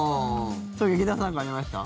劇団さんなんかありました？